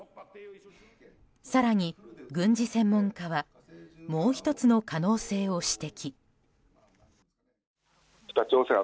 更に、軍事専門家はもう１つの可能性を指摘。